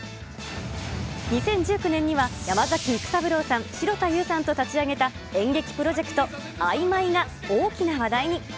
２０１９年には山崎育三郎さん、城田優さんと立ち上げた演劇プロジェクト、ＩＭＹが大きな話題に。